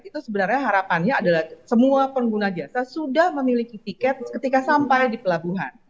itu sebenarnya harapannya adalah semua pengguna jasa sudah memiliki tiket ketika sampai di pelabuhan